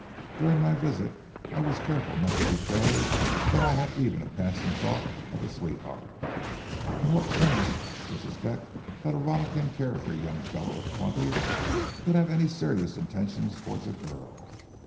During my visit I was careful not to betray that I had even a passing thought of a sweetheart, and what parents would suspect that a rollicking, carefree young fellow of twenty could have any serious intentions toward a girl?